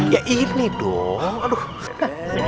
ya ini dong